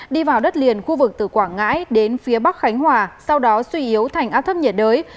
đi vào đất liền khu vực từ quảng ngãi đến phía bắc khánh hòa sau đó suy yếu thành áp thấp nhiệt đới